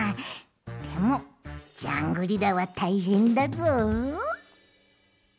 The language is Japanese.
でもジャングリラはたいへんだぞ。